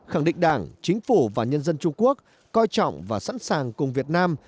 khẳng định đảng chính phủ và nhân dân trung quốc coi trọng và sẵn sàng cùng việt nam